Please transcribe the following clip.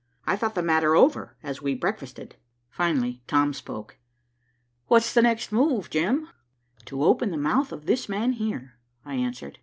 I thought the matter over as we breakfasted. Finally Tom spoke. "What's the next move, Jim?" "To open the mouth of this man here," I answered.